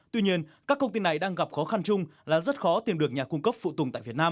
tuy nhiên các công ty này đang gặp khó khăn chung là rất khó tìm được nhà cung cấp phụ tùng tại việt nam